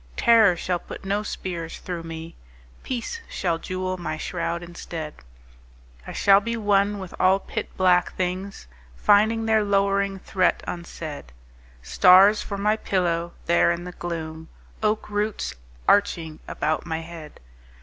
Terror shall put no spears through me. Peace shall jewel my shroud instead. I shall be one with all pit black things Finding their lowering threat unsaid: Stars for my pillow there in the gloom,— Oak roots arching about my head!